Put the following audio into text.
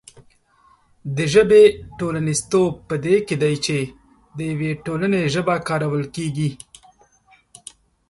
د ژبې ټولنیزتوب په دې کې دی چې د یوې ټولنې ژبه کارول کېږي.